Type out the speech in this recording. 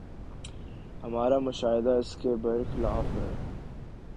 ہمارا مشاہدہ اس کے بر خلاف ہے۔